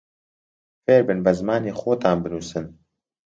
فێربن بە زمانی خۆتان بنووسن